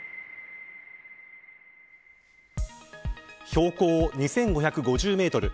標高２５５０メートル